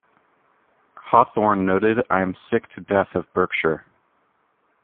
Hawthorne noted, I am sick to death of Berkshire ...